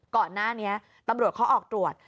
ก่อนหน้านี้ตำรวจเขาออกตรวจ